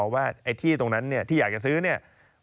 ว่าที่ตรงนั้นที่อยากจะซื้อ